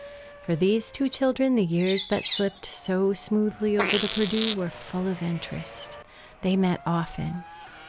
For these two children the years that slipped so smoothly over the Perdu were full of interest. They met often.